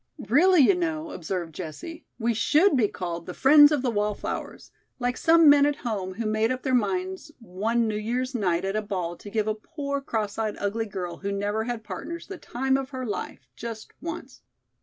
"Really, you know," observed Jessie, "we should be called 'The Friends of the Wallflowers,' like some men at home, who made up their minds one New Year's night at a ball to give a poor cross eyed, ugly girl who never had partners the time of her life, just once."